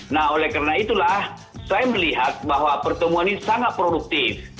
nah oleh karena itulah saya melihat bahwa pertemuan ini sangat produktif